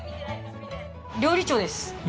料理長です。